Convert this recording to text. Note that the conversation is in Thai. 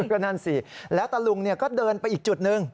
ก็นั่นสิแล้วตะลุงก็เดินไปอีกจุดหนึ่ง